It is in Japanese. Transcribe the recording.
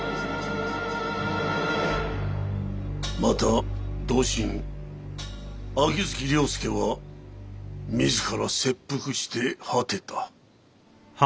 また同心秋月良介は自ら切腹して果てた。